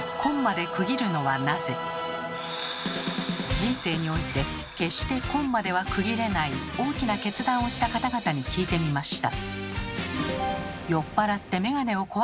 人生において決してコンマでは区切れない大きな決断をした方々に聞いてみました。